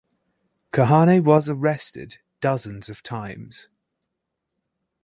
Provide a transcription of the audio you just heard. Kahane was arrested dozens of times.